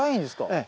ええ。